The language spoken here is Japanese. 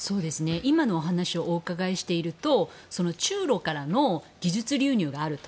今のお話をお伺いしていると中ロからの技術流入があると。